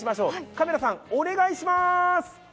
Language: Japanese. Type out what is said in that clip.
カメラさん、お願いします。